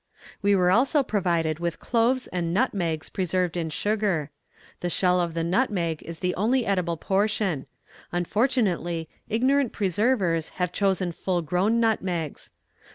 "We were also provided with cloves and nutmegs preserved in sugar. The shell of the nutmeg is the only edible portion; unfortunately, ignorant preservers had chosen full grown nutmegs.